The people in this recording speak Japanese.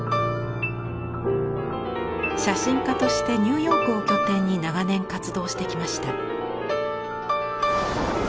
写真家としてニューヨークを拠点に長年活動してきました。